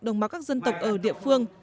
đồng bào các dân tộc ở địa phương